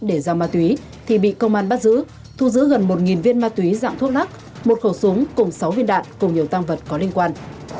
để giao ma túy thì bị công an bắt giữ thu giữ gần một viên ma túy dạng thuốc lắc một khẩu súng cùng sáu viên đạn cùng nhiều tăng vật có liên quan